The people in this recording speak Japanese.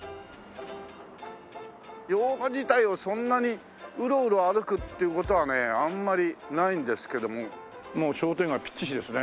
用賀自体をそんなにうろうろ歩くっていう事はねあんまりないんですけどももう商店街ぴっちしですね。